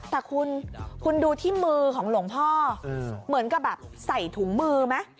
แต่คุณคุณดูที่มือของหลวงพ่อเหมือนกับแบบใส่ถุงมือไหม